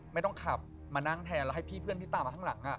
ไม่ต้องขับมานั่งแทนแล้วให้พี่เพื่อนที่ตามมาข้างหลัง